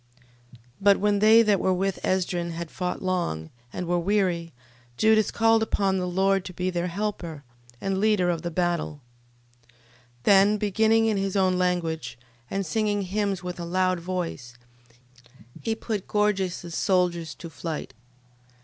12:36. But when they that were with Esdrin had fought long, and were weary, Judas called upon the Lord to be their helper, and leader of the battle: 12:37. Then beginning in his own language, and singing hymns with a loud voice, he put Gorgias's soldiers to flight.